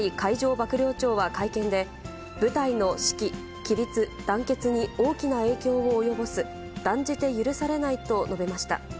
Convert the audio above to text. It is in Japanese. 幕僚長は会見で、部隊の指揮、規律、団結に大きな影響を及ぼす、断じて許されないと述べました。